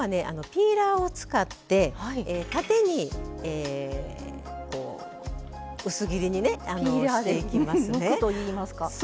ピーラーを使って縦にえこう薄切りにねしていきますね。